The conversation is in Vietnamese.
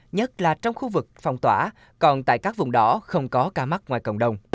nhất là trong khu vực phong tỏa còn tại các vùng đỏ không có ca mắc ngoài cộng đồng